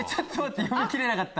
読み切れなかった。